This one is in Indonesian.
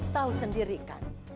tau sendiri kan